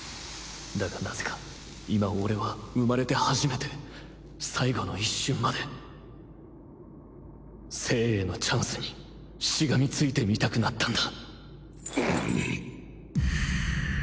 だがなぜか今俺は生まれて初めて最後の一瞬まで生へのチャンスにしがみついてみたくなったんだ。